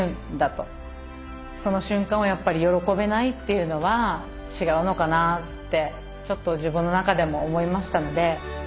その瞬間をやっぱり喜べないっていうのは違うのかなってちょっと自分の中でも思いましたので。